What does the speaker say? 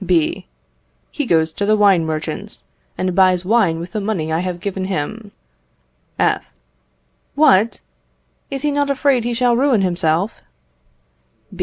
B. He goes to the wine merchant's, and buys wine with the money I have given him. F. What! is he not afraid he shall ruin himself?